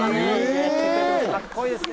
かっこいいですね。